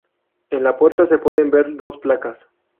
En la puerta se pueden ver dos placas.